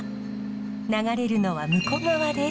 流れるのは武庫川です。